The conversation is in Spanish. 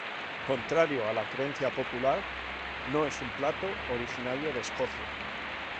Contrario a la creencia popular no es un plato originario de Escocia.